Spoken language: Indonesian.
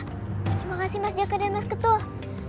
terima kasih mas jaka dan mas ketuh